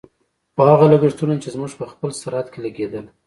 خو هغه لګښتونه چې زموږ په خپل سرحد کې لګېدل.